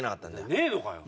ねえのかよ！